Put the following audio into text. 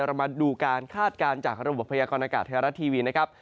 เรามาดูการคาดการณ์จากระบบพยากรณากาศไทยรัฐทีวีนะครับ